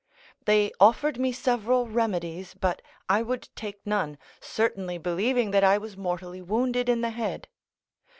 They offered me several remedies, but I would take none, certainly believing that I was mortally wounded in the head.